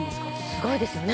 「すごいですよね。